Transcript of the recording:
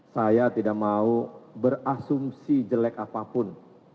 saya tidak mau berasumsi jelek apapun